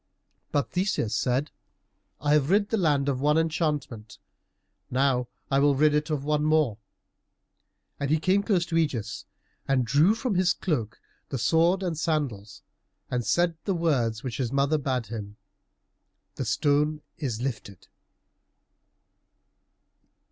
But Theseus said, "I have rid the land of one enchantment, now I will rid it of one more." And he came close to Ægeus and drew from his cloak the sword and the sandals, and said the words which his mother bade him, "The stone is lifted."